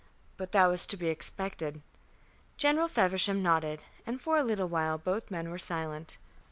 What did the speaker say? "But that was to be expected." General Feversham nodded, and for a little while both men were silent.